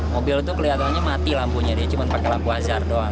mobil itu kelihatannya mati lampunya dia cuma pakai lampu azar doang